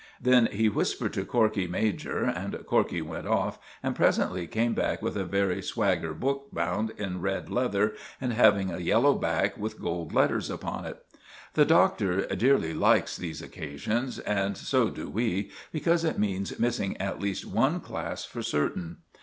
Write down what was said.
Then he whispered to Corkey major, and Corkey went off, and presently came back with a very swagger book bound in red leather and having a yellow back with gold letters upon it. The Doctor dearly likes these occasions; and so do we, because it means missing at least one class for certain.